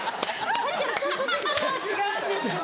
さっきからちょっとずつ違うんですけど。